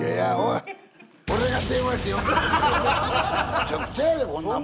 むちゃくちゃやでこんなもん。